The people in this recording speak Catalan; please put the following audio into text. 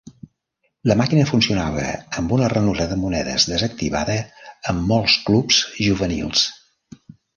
La màquina funcionava amb una ranura de monedes desactivada en molts clubs juvenils.